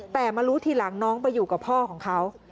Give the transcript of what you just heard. แต่มารู้ทีหลังน้องไปอยู่กับพ่อของเขา